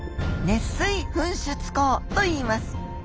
熱水噴出孔といいます。